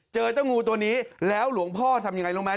เจอเจ้างูตัวนี้แล้วหลวงพ่อทำยังไงรู้ไหม